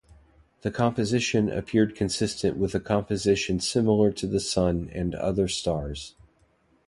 The composition appeared consistent with a composition similar to the sun and other stars.